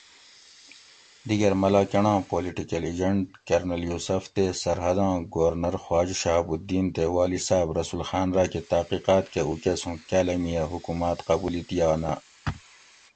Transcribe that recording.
دِگیر ملاکنڑاں پولیٹیکل ایجنٹ کرنل یوسف تے سرحداں گورنر خواجہ شھاب الدّین تے والی صاۤب رسول خاۤن راۤکہ تحقیقاۤت کہ اُوکۤس ھُوں کاۤلاۤمیہ حکوماۤت قبولیت یا نہ